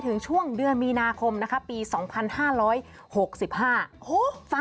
ค่อยง่ายนะคะ